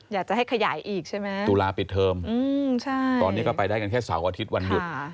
อยากจะให้ขยายอีกใช่ไหมตุลาปิดเทอมตอนนี้ก็ไปได้กันแค่เสาร์อาทิตย์วันหยุด